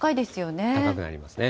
高くなりますね。